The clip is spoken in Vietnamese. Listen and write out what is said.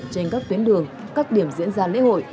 trên các tuyến đường các điểm diễn ra lễ hội